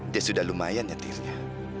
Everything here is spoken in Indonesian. dia sudah lumayan nyetirnya